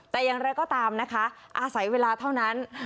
แต่อย่างไรก็ตามนะคะอาศัยเวลาเท่านั้น